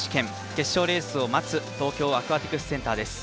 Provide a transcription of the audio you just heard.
決勝レースを待つ東京アクアティクスセンターです。